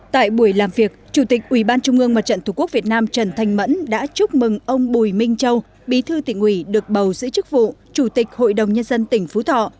tại buổi làm việc chủ tịch ủy ban trung ương mặt trận tổ quốc việt nam trần thanh mẫn đã chúc mừng ông bùi minh châu bí thư tỉnh ủy được bầu giữ chức vụ chủ tịch hội đồng nhân dân tỉnh phú thọ